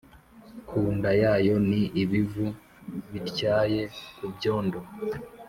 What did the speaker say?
Ku nda yayo ni ib uvu bityaye Ku byondo